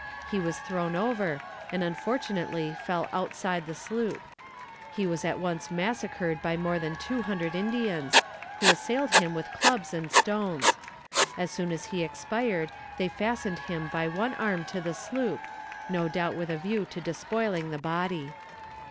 He was thrown over, and unfortunately fell outside the sloop. He was at once massacred by more than two hundred Indians, who assailed him with clubs and stones. As soon as he expired they fastened him by one arm to the sloop, no doubt with a view to despoiling the body.